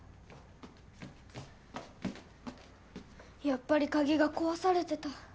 やっぱり鍵が壊されてた。